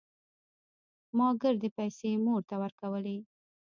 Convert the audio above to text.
ما ګردې پيسې مور ته ورکولې.